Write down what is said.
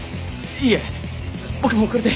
いえ僕もうこれで。